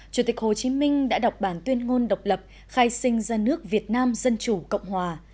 chủ tịch hồ chí minh đã đọc bản tuyên ngôn độc lập khai sinh ra nước việt nam dân chủ cộng hòa